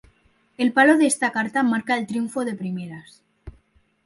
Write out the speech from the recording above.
El palo de esta carta marca el triunfo "de primeras".